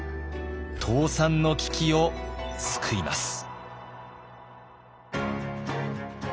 倒産の危機を救います。